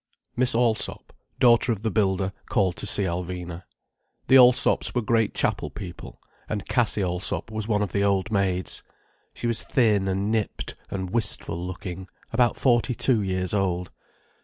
Miss Allsop, daughter of the builder, called to see Alvina. The Allsops were great Chapel people, and Cassie Allsop was one of the old maids. She was thin and nipped and wistful looking, about forty two years old.